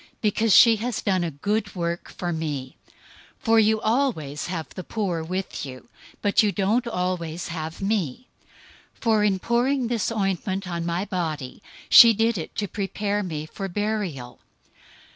Because she has done a good work for me. 026:011 For you always have the poor with you; but you don't always have me. 026:012 For in pouring this ointment on my body, she did it to prepare me for burial.